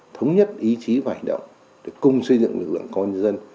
thống nhất ý chí và hành động để cùng xây dựng lực lượng công an dân